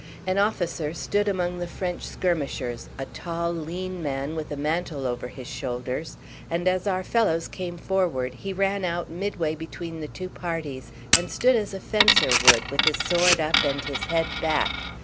An officer stood among the French skirmishers a tall, lean man with a mantle over his shoulders and as our fellows came forward he ran out midway between the two parties and stood as a fencer would, with his sword up and his head back.